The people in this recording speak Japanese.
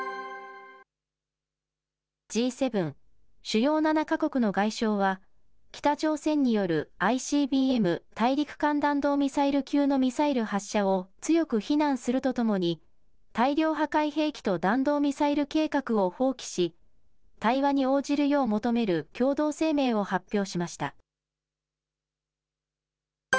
Ｇ７・主要７か国の外相は、北朝鮮によるＩＣＢＭ・大陸間弾道ミサイル級のミサイル発射を強く非難するとともに、大量破壊兵器と弾道ミサイル計画を放棄し、対話に応じるよう求める共同声明を発表しました。